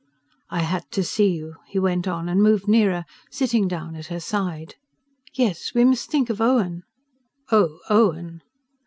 "I had to see you," he went on, and moved nearer, sitting down at her side. "Yes; we must think of Owen " "Oh, Owen